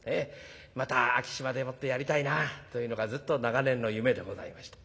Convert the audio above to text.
また昭島でもってやりたいなというのがずっと長年の夢でございました。